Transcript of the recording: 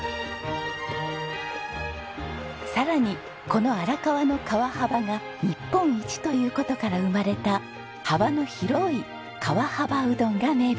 さらにこの荒川の川幅が日本一という事から生まれた幅の広い川幅うどんが名物。